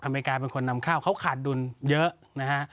อเมริกาเป็นคนนำข้าวเขาขาดดุลเยอะนะฮะ